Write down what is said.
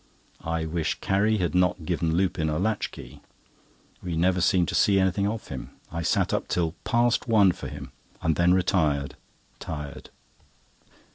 I wish Carrie had not given Lupin a latch key; we never seem to see anything of him. I sat up till past one for him, and then retired tired.